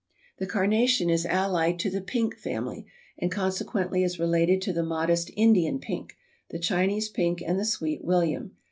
The Carnation is allied to the pink family, and consequently is related to the modest Indian pink, the Chinese pink and the Sweet William.